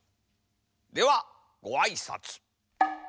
ではごあいさつ。